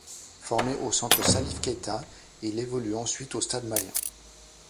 Formé au centre Salif Keita, il évolue ensuite au Stade malien.